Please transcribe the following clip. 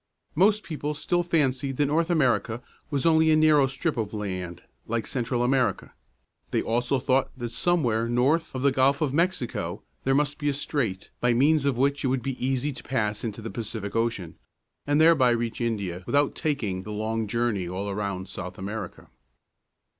Most people still fancied that North America was only a narrow strip of land, like Central America. They also thought that somewhere north of the Gulf of Mexico there must be a strait, by means of which it would be easy to pass into the Pacific Ocean, and thereby reach India without taking the long journey all around South America.